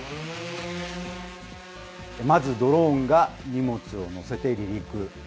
まずドローンが荷物を載せて離陸。